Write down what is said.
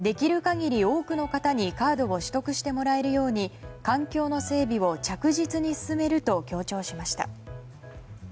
松本大臣はできる限り多くの方にカードを取得してもらえるように環境の整備を着実に進めると強調しました。